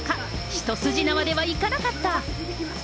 一筋縄ではいかなかった。